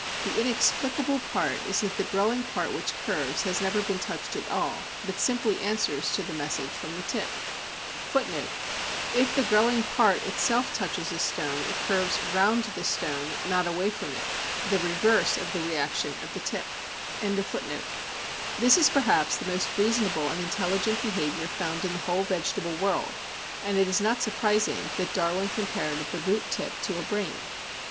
The inexplicable part is that the growing part which curves has never been touched at all, but simply answers to the message from the tip. If the growing part itself touches a stone it curves round the stone, not away from it the reverse of the reaction at the tip! This is perhaps the most reasonable and intelligent behaviour found in the whole vegetable world, and it is not surprising that Darwin compared the root tip to a brain.